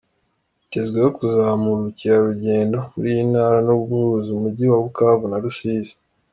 Yitezweho kuzamura ubukerarugendo muri iyi ntara no guhuza umujyi wa Bukavu na Rusizi.